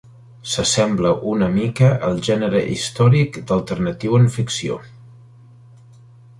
S'assembla una mica al gènere històric alternatiu en ficció.